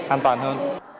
an toàn hơn